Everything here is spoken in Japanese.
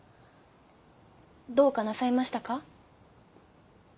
どうかなさいましたか？